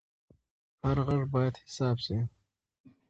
هر غږ باید حساب شي